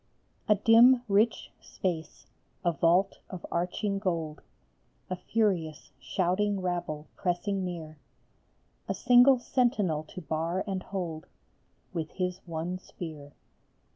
DIM rich space, a vault of arching gold, A furious, shouting rabble pressing near, A single sentinel to bar and hold With his one spear.